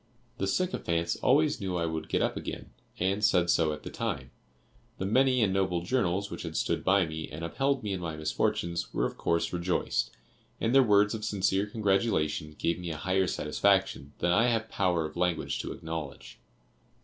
The sycophants always knew I would get up again, "and said so at the time;" the many and noble journals which had stood by me and upheld me in my misfortunes, were of course rejoiced, and their words of sincere congratulation gave me a higher satisfaction than I have power of language to acknowledge.